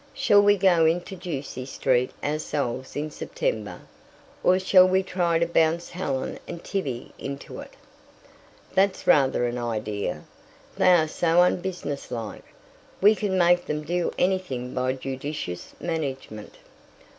Shall we go into Ducie Street ourselves in September? Or shall we try to bounce Helen and Tibby into it? That's rather an idea. They are so unbusinesslike, we could make them do anything by judicious management.